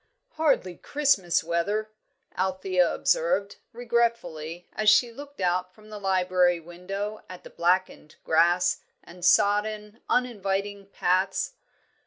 "Hardly Christmas weather," Althea observed, regretfully, as she looked out from the library window at the blackened grass and sodden, uninviting paths.